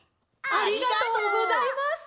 ありがとうございます。